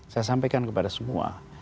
saya sampaikan kepada semua